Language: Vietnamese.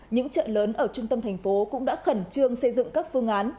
những chợ lớn ở trung tâm thành phố cũng đã khẩn trương xây dựng các phương án